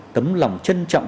tấm lòng trân trọng